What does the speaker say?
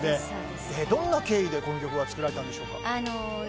どんな経緯でこの曲は作られたんでしょうか？